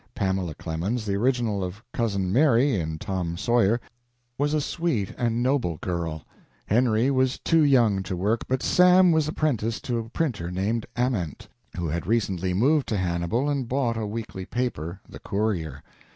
Pamela Clemens, the original of Cousin Mary, in "Tom Sawyer," was a sweet and noble girl. Henry was too young to work, but Sam was apprenticed to a printer named Ament, who had recently moved to Hannibal and bought a weekly paper, "The Courier."